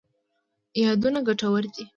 یادونه ګټور دي.